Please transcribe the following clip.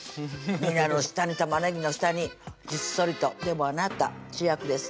にらの下に玉ねぎの下にひっそりとでもあなた主役です